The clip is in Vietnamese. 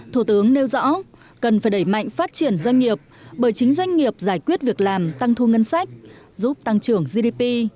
thủ tướng nêu rõ cần phải đẩy mạnh phát triển doanh nghiệp bởi chính doanh nghiệp giải quyết việc làm tăng thu ngân sách giúp tăng trưởng gdp